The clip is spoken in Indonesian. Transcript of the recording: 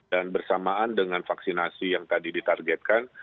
dan bersamaan dengan vaksinasi yang tadi ditargetkan